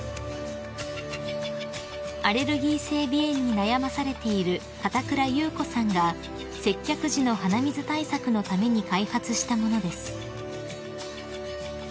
［アレルギー性鼻炎に悩まされている片倉祐子さんが接客時の鼻水対策のために開発した物です］